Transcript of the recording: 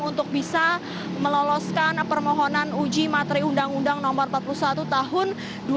untuk bisa meloloskan permohonan uji materi undang undang no empat puluh satu tahun dua ribu dua